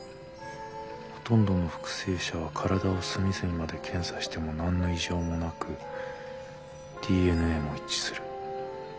ほとんどの復生者は体を隅々まで検査しても何の異常もなくＤＮＡも一致する。